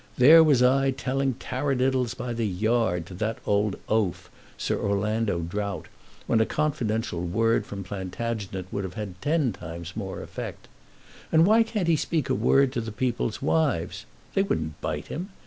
There was I telling tarradiddles by the yard to that old oaf, Sir Orlando Drought, when a confidential word from Plantagenet would have had ten times more effect. And why can't he speak a word to the people's wives? They wouldn't bite him.